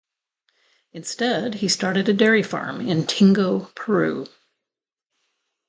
Instead he started a dairy farm in Tingo, Peru.